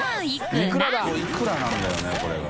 いくらなんだろうねこれが。